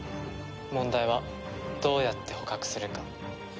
問題はどうやって捕獲するかですね。